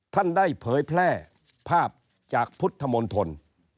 ท่านได้เผยแพร่ภาพจากพุทธมนตร